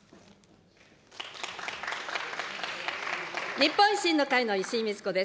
日本維新の会の石井苗子です。